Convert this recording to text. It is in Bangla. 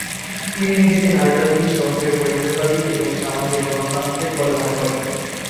তিনি নিজেকে নারীবাদী, শহুরে পরিবেশবাদী এবং সামাজিক গণতান্ত্রিক বলে মনে করেন।